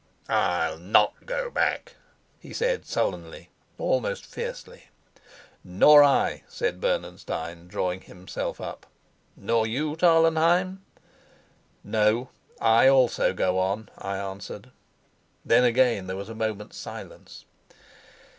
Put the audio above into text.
"I'll not go back," he said sullenly, almost fiercely. "Nor I," said Bernenstein, drawing himself up. "Nor you, Tarlenheim?" "No, I also go on," I answered. Then again there was a moment's silence.